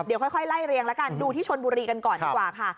เดี๋ยวค่อยไล่เรียงแล้วกันดูที่ชนบุรีกันก่อนดีกว่าค่ะ